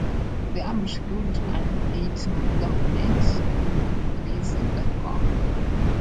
The ambush killed all eight government employees in the car.